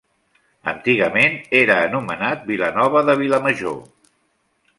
Antigament era anomenat Vilanova de Vilamajor.